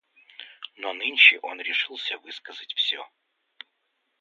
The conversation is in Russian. Но нынче он решился высказать всё.